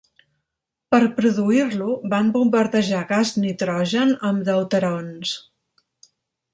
Per produir-lo, van bombardejar gas nitrogen amb deuterons.